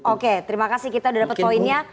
oke terima kasih kita sudah dapat poinnya